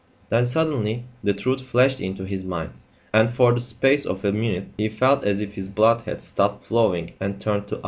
Then, suddenly, the truth flashed into his mind, and for the space of a minute he felt as if his blood had stopped flowing and turned to ice.